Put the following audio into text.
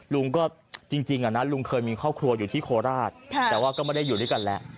ลุงก็จริงนะลุงเคยมีครอบครัวอยู่ที่โคราชแต่ว่าก็ไม่ได้อยู่ด้วยกันแล้ว